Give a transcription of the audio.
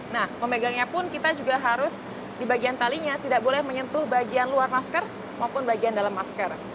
nah memegangnya pun kita juga harus di bagian talinya tidak boleh menyentuh bagian luar masker maupun bagian dalam masker